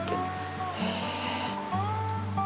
へえ。